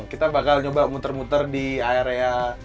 kita bakal nyoba muter muter di area